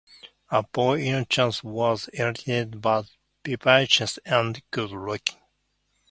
As a boy Innocenzo was illiterate but vivacious and good-looking.